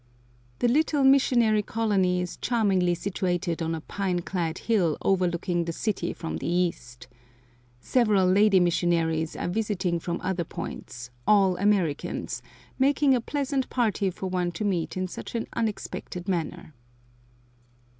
The little missionary colony is charmingly situated on a pine clad hill overlooking the city from the east. Several lady missionaries are visiting from other points, all Americans, making a pleasant party for one to meet in such an unexpected manner.